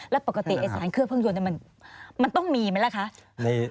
แล้วปกติไอ้สารเครื่องยนต์มันต้องมีไหมล่ะคะ